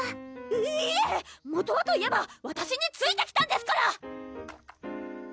いいえ元はといえばわたしについてきたんですから！